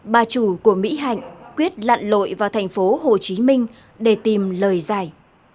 bà chủ của mỹ hạnh quyết lặn lội vào thành phố hồ chí minh để tìm lời giải